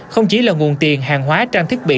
không chỉ là nguồn tiền hàng hóa trang thiết bị